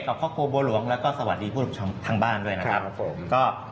ครอบครัวบัวหลวงแล้วก็สวัสดีผู้ชมทางบ้านด้วยนะครับผมก็